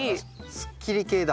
すっきり系だ。